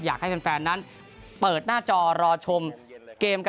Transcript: อยากให้แฟนนั้นเปิดหน้าจอรอชมเกมกัน